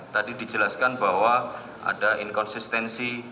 tadi dijelaskan bahwa ada inkonsistensi